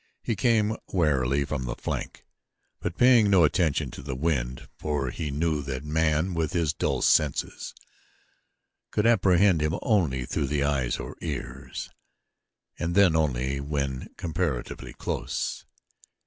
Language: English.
He came warily from the flank, but paying no attention to the wind, for he knew that man with his dull senses could apprehend him only through his eyes or ears and then only when comparatively close.